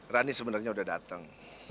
rani sebenarnya udah dateng